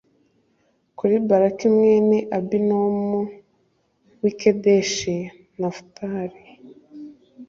kuri Baraki m mwene Abinowamu w i Kedeshi Nafutali